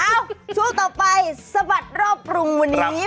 ช่วงต่อไปสะบัดรอบกรุงวันนี้